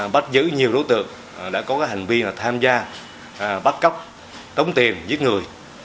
bắt giữ nhiều đối tượng đã có hành vi tham gia bắt cóc tống tiền giết người